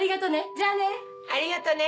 じゃあね！ありがとね！